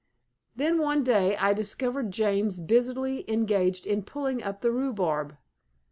Then one day I discovered James busily engaged in pulling up the rhubarb.